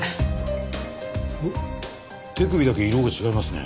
えっ手首だけ色が違いますね。